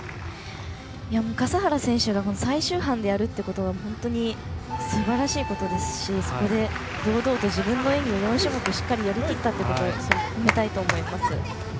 笠原選手が最終班でやることは本当にすばらしいことですしそこで堂々と自分の演技を４種目しっかりやりきったということをたたえたいと思います。